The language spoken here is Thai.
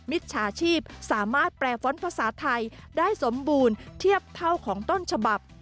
มิจฉาชีพสามารถแปรฟ้อนต์ภาษาไทยได้สมบูรณ์เทียบเท่าของต้นฉบับ